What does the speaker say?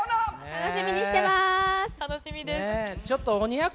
楽しみにしてます。